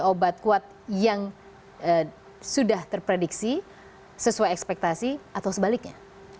obat kuat yang sudah terprediksi sesuai ekspektasi atau sebaliknya